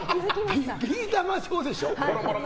ビー玉状でしょ？